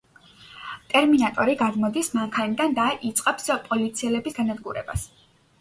ტერმინატორი გადმოდის მანქანიდან და იწყებს პოლიციელების განადგურებას.